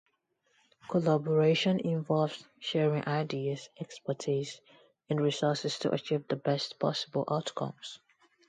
Collaboration involves sharing ideas, expertise, and resources to achieve the best possible outcomes.